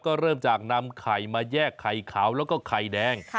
ก็เริ่มจากนำไข่มาแยกไข่ขาวแล้วก็ไข่แดง